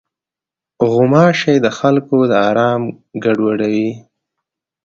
غوماشې د خلکو د آرام ګډوډوي.